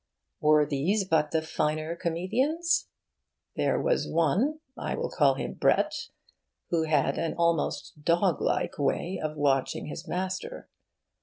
Were these but the finer comedians? There was one (I will call him Brett) who had an almost dog like way of watching his master.